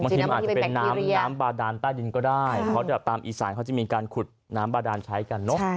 เป็นน้ำบาดานใต้ดินก็ได้เขาจะตามอีสานเขาจะมีการขุดน้ำบาดานใช้กันเนอะ